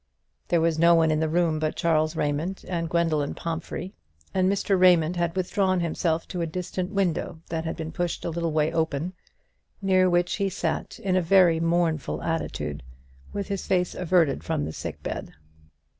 There was no one in the room but Charles Raymond and Gwendoline Pomphrey; and Mr. Raymond had withdrawn himself to a distant window that had been pushed a little way open, near which he sat in a very mournful attitude, with his face averted from the sick bed.